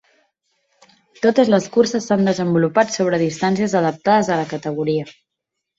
Totes les curses s’han desenvolupat sobre distàncies adaptades a la categoria.